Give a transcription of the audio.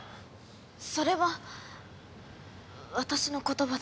それは私の言葉だ。